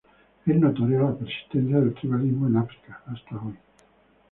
Es notoria la persistencia del tribalismo en África hasta hoy.